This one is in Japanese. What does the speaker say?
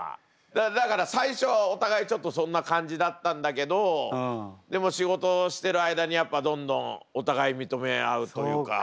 だから最初はお互いちょっとそんな感じだったんだけどでも仕事をしてる間にどんどんお互い認め合うというか。